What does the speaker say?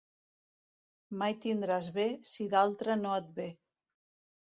Mai tindràs bé si d'altre no et ve.